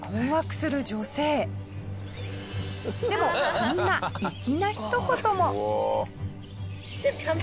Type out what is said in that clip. でもこんな粋なひと言も。